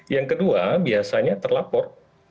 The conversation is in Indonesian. yang kedua biasanya terlapor